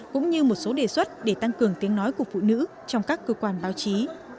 cũng như một số đề xuất để tăng cường tiếng nói của phụ nữ trong các cơ quan báo chí